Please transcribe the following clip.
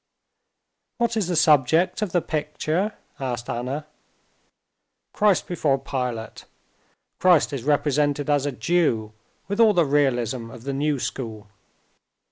"What is the subject of the picture?" asked Anna. "Christ before Pilate. Christ is represented as a Jew with all the realism of the new school."